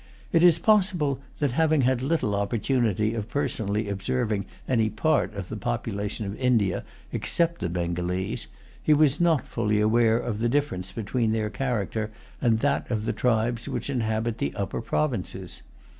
It is possible that, having[Pg 185] had little opportunity of personally observing any part of the population of India, except the Bengalese, he was not fully aware of the difference between their character and that of the tribes which inhabit the upper provinces.